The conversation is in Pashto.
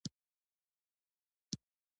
لکه د بيمارو علاجونه ، ټېکنالوجي او انټرنيټ وغېره